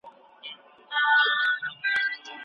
ټول اجرأت باید د اړینو معلوماتو په واسطه عیار سي.